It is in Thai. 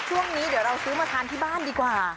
ช่วงนี้เดี๋ยวเราซื้อมาทานที่บ้านดีกว่า